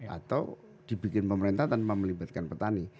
atau dibikin pemerintah tanpa melibatkan petani